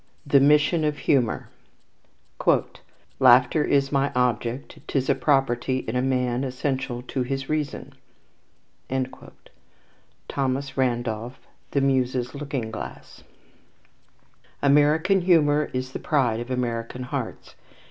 The Mission of Humour "Laughter is my object: 'tis a property In man, essential to his reason." THOMAS RANDOLPH, The Muses' Looking Glass. American humour is the pride of American hearts.